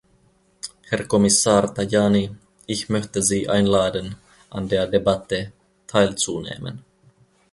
Herr Kommissar Tajani, ich möchte Sie einladen, an der Debatte teilzunehmen.